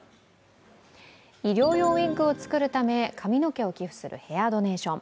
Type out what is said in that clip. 医療用ウイッグを作るため髪の毛を寄付するヘアドネーション。